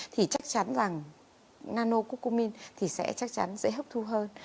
thì chắc chắn rằng nano cucumin thì sẽ chắc chắn dễ hấp thu hơn